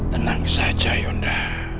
tenang saja yunda